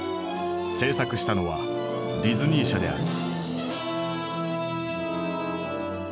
制作したのはディズニー社である。